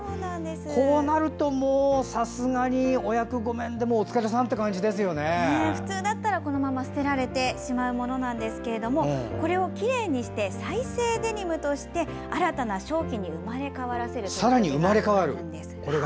こうなると、もうさすがにお役ごめんで普通だったらこのまま捨てられてしまうんですがこれをきれいにして再生デニムとして新たな商品に生まれ変わらせることができるんです。